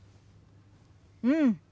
うん。